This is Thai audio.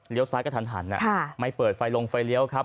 เลี้ยวซ้ายก็ทันไม่เปิดไฟลงไฟเลี้ยวครับ